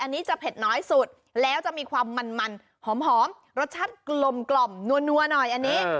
อันนี้จะเผ็ดน้อยสุดแล้วจะมีความมันหอมรสชาติกลมนัวหน่อยอันนี้